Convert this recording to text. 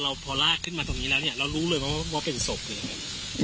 เราพอลากขึ้นมาตรงนี้แล้วเนี้ยเรารู้เลยว่าว่าเป็นศพอย่างงี้